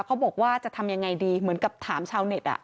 เขาบอกว่าจะทำยังไงดีเหมือนกับถามชาวเน็ต